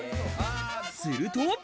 すると。